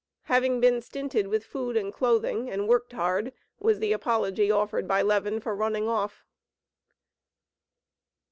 Having been stinted with food and clothing and worked hard, was the apology offered by Levin for running off.